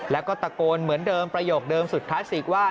แล้วก็ตะโกนเหมือนเดิมประโยคเดิมสุดคลาสสิกว่า